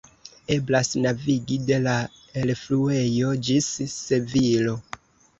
Eblas navigi de la elfluejo ĝis Sevilo.